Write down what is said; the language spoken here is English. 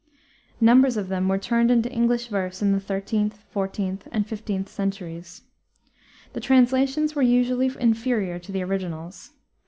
Numbers of them were turned into English verse in the 13th, 14th, and 15th centuries. The translations were usually inferior to the originals.